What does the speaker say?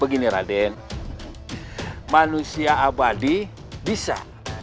begini raden manusia abadi bisa